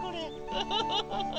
ウフフフフ。